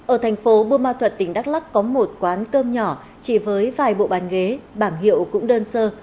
ở thành phố buôn ma thuật tỉnh đắk lắc có một quán cơm nhỏ chỉ với vài bộ bàn ghế bảng hiệu cũng đơn sơ